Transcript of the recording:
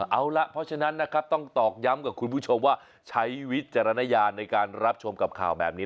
เอาล่ะเพราะฉะนั้นนะครับต้องตอกย้ำกับคุณผู้ชมว่าใช้วิจารณญาณในการรับชมกับข่าวแบบนี้